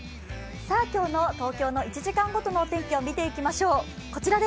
今日の東京の１時間ごとのお天気を見ていきましょう。